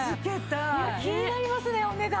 気になりますねお値段。